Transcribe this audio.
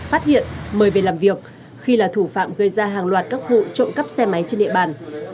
phát hiện mời về làm việc khi là thủ phạm gây ra hàng loạt các vụ trộm cắp xe máy trên địa bàn